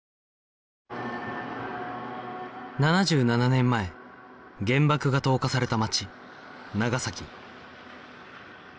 ７７年前原爆が投下された街長崎